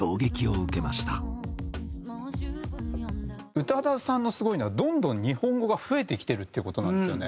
宇多田さんのすごいのはどんどん日本語が増えてきてるっていう事なんですよね。